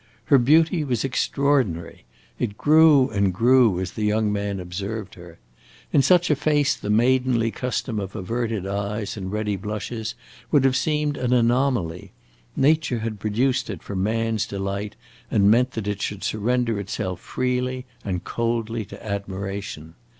Her beauty was extraordinary; it grew and grew as the young man observed her. In such a face the maidenly custom of averted eyes and ready blushes would have seemed an anomaly; nature had produced it for man's delight and meant that it should surrender itself freely and coldly to admiration.